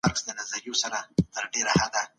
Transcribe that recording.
خپل ذهن په ګټورو معلوماتو سره ډک کړئ.